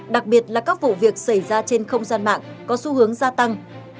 đặc biệt là các vụ việc xảy ra trên không gian mạng có xu hướng gia tăng